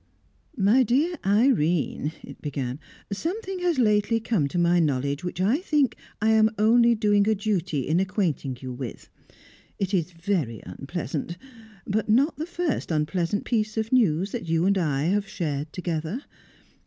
"Dear Irene," it began, "something has lately come to my knowledge which I think I am only doing a duty in acquainting you with. It is very unpleasant, but not the first unpleasant piece of news that you and I have shared together.